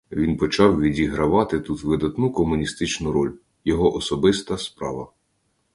Він почав відігравати тут видатну комуністичну роль — його особиста справа.